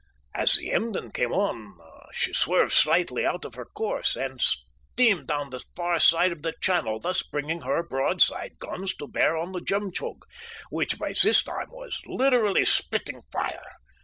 "As the Emden came on she swerved slightly out of her course and steamed down the far side of the channel, thus bringing her broadside guns to bear on the Jemtchug, which by this time was literally spitting fire.